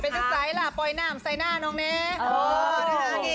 เป็นชุดใสล่ะปล่อยหน่ำใส่หน้าน้องเนธ